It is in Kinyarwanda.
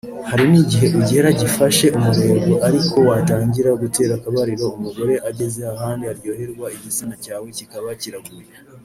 Hari n’igihe ugera gifashe umurego ariko watangira gutera akabariro umugore ageze hahandi aryoherwa igitsina cyawe cyikaba cyiraguye